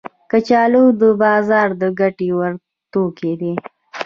کچالو د بازار د ګټه ور توکي دي